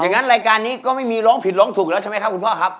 งั้นรายการนี้ก็ไม่มีร้องผิดร้องถูกแล้วใช่ไหมครับคุณพ่อครับ